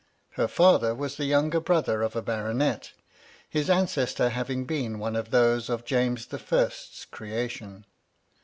Her father was the younger brother of a baronet, his ancestor having been one of those of James the First's creation.